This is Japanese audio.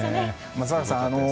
松坂さん